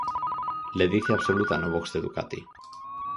Ledicia absoluta no box de Ducati.